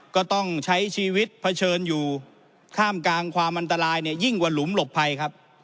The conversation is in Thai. ก็ต้องใช้ชีวิตเผชิญอยู่ท่ามกลางความอันตรายเนี่ยยิ่งกว่าหลุมหลบภัยครับ